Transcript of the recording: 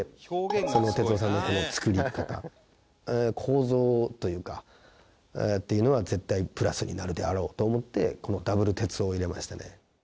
その哲夫さんのこの作り方構造というかっていうのは絶対プラスになるであろうと思ってこのダブル哲夫を入れましたね。